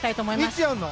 いつやるの？